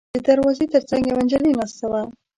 د دروازې تر څنګ یوه نجلۍ ناسته وه.